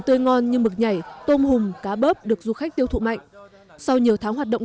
tươi ngon như mực nhảy tôm hùm cá bớp được du khách tiêu thụ mạnh sau nhiều tháng hoạt động